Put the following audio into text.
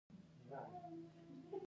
دښته ده ، باران اوري، نګهت اخلي